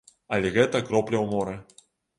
Але гэта кропля ў моры.